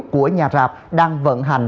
của nhà rạp đang vận hành